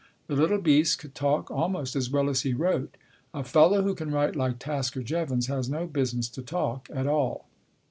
The little beast could talk almost as well as he wrote. A fellow who can write like Tasker Jevons has no business to talk at all.